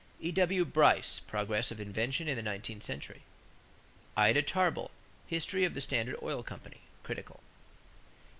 E.W. Bryce, Progress of Invention in the Nineteenth Century. Ida Tarbell, History of the Standard Oil Company (Critical).